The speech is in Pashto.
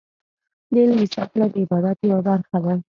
د علم زده کړه د عبادت یوه برخه ده.